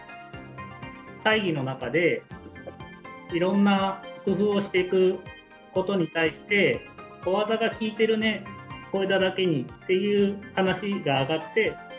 会議の中で、いろんな工夫をしていくことに対して、小技が効いてるね、小枝だけにっていう話が上がって。